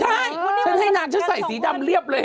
ใช่ฉันให้นางฉันใส่สีดำเรียบเลย